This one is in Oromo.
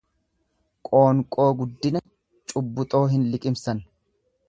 Qoonqoo guddina cubbuxoo hin liqimsan.